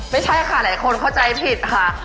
ไม่ใช่ค่ะหลายคนเข้าใจผิดค่ะ